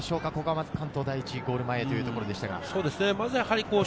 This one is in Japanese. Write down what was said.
まずは関東第一、ゴール前というところでした。